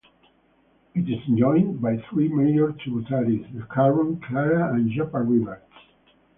It is joined by three major tributaries, the Carron, Clara and Yappar Rivers.